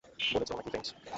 বলেছে ও নাকি ফ্রেঞ্চ।